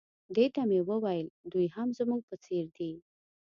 دې ته مې وویل دوی هم زموږ په څېر دي.